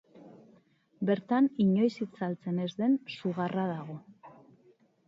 Bertan inoiz itzaltzen ez den su garra dago.